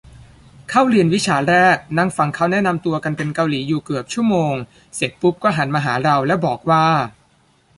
เข้าเรียนวิชาแรก นั่งฟังเขาแนะนำตัวกันเป็นเกาหลีอยู่เกือบชั่วโมง เสร็จปุ๊บก็หันมาหาเราแล้วบอกว่า